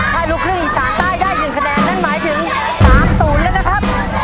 ถ้าลูกครึ่งอีสานใต้ได้๑คะแนนนั่นหมายถึง๓๐แล้วนะครับ